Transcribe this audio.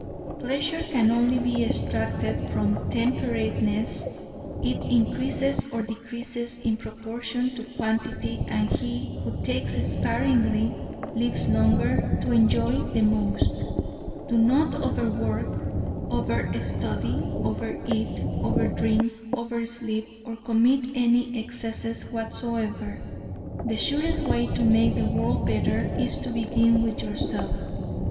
Pleasure can only be extracted from temperateness; it increases or decreases in proportion to quantity, and he who takes sparingly, lives longer to enjoy the most. Do not over work, over study, over eat, over drink, over sleep, or commit any excess whatsoever. The surest way to make the world better is to begin with yourself.